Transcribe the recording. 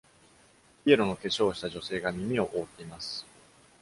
ピエロの化粧をした女性が耳を覆っています。